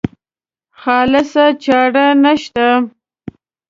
خالصه چاره نشته.